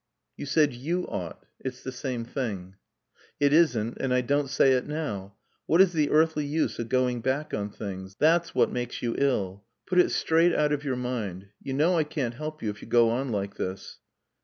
You said you ought. It's the same thing." "It isn't. And I don't say it now. What is the earthly use of going back on things? That's what makes you ill. Put it straight out of your mind. You know I can't help you if you go on like this."